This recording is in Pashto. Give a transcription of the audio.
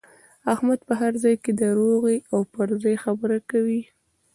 احمد په هر ځای کې روغه او پر ځای خبره کوي.